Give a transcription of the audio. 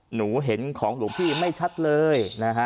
หนูเห็นของหนูพี่ไม่ชัดเลย